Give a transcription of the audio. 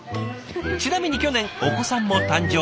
ちなみに去年お子さんも誕生。